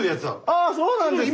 あそうなんですか。